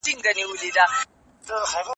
مامي سړو وینو ته اور غوښتی